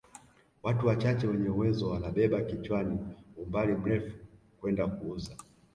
Watu wachache wenye uwezo wanabeba kichwani umbali mrefu kwenda kuuza